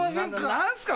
何すか？